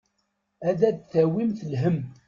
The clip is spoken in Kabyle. Ad d-tawimt lhemm.